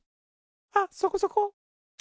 あっそこそこ。